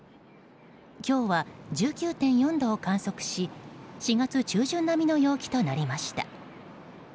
今日は１９．４度を観測し４月中旬並みの陽気となりました。